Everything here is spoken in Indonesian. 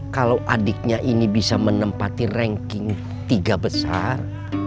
kalau adiknya ini bisa menempati ranking tiga besar